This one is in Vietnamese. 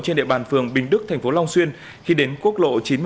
trên địa bàn phường bình đức thành phố long xuyên khi đến quốc lộ chín mươi bốn